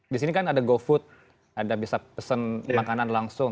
di sini kan ada gofood ada bisa pesen makanan langsung